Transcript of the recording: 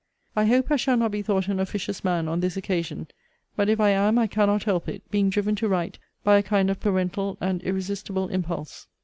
I hope I shall not be thought an officious man on this occasion; but, if I am, I cannot help it, being driven to write, by a kind of parental and irresistible impulse.